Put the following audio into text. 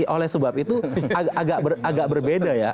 oleh sebab itu agak berbeda ya